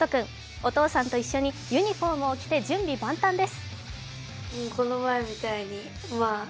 お父さんと一緒にユニフォームを着て準備万端です。